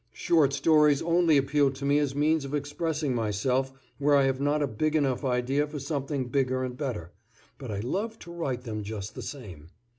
Short stories only appeal to me as means of expressing myself where I have not a big enough idea for something bigger and better, but I love to write them just the same.